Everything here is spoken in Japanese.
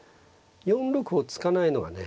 ４六を突かないのがね